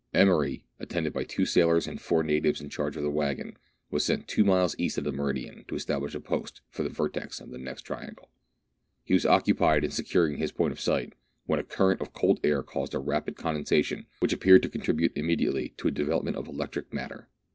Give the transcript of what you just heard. Emery, attended by two sailors and four natives in charge of a waggon, was sent two miles east of the meridian to establish a post for the vertex of the next triangle. He was occupied in securing his point of sight, when a current of cold air caused a rapid condensa 158 MERIDIANA ; THE ADVENTURES OP tion, which appeared to contribute immediately to a deve lopment of electric matter.